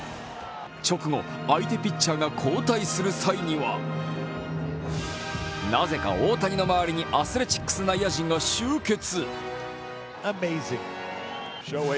直後、相手ピッチャーが交代する際にはなぜか大谷の周りにアスレチックス内野陣が集結。